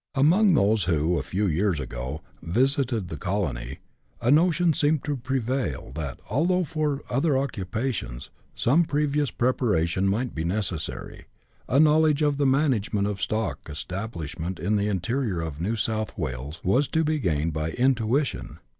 Among those who, a few years ago, visited the colony, a no tion seemed to prevail that, although for other occupations some previous preparation might be necessary, a knowledge of the management of a stock establishment in the interior of New South Wales was to be gained by intuition.